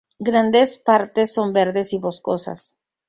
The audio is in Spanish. Grandes partes son verdes y boscosas.